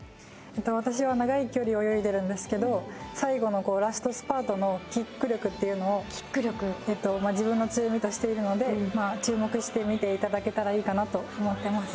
私は長い距離泳いでるんですけど最後のラストスパートのキック力っていうのを自分の強みとしているので注目して見ていただけたらいいかなと思ってます。